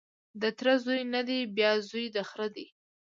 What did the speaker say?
د تره زوی نه دی بیا زوی د خره دی